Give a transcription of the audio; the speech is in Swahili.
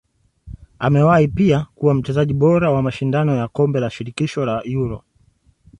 Amewahi pia kuwa mchezaji bora wa mashindano ya kombe la shirikisho la Euro